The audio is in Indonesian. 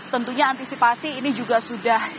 tentunya antisipasi ini juga sudah